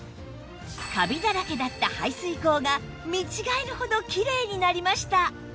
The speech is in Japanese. カビだらけだった排水口が見違えるほどきれいになりました